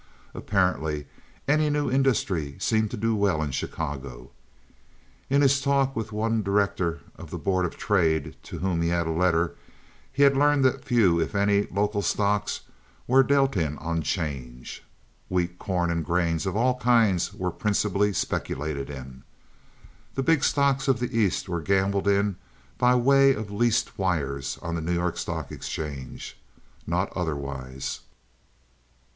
Apparently, any new industry seemed to do well in Chicago. In his talk with the one director of the Board of Trade to whom he had a letter he had learned that few, if any, local stocks were dealt in on 'change. Wheat, corn, and grains of all kinds were principally speculated in. The big stocks of the East were gambled in by way of leased wires on the New York Stock Exchange—not otherwise.